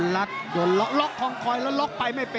ล็อกคลองคอยแล้วล็อกไปไม่เป็น